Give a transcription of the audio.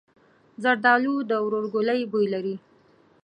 زردالو د ورورګلوۍ بوی لري.